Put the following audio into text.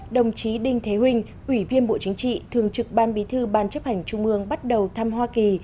đồng chí đinh thế huệ ủy viên bộ chính trị thường trực ban bí thư ban chấp hành trung ương bắt đầu thăm hoa kỳ